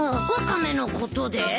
ワカメのことで？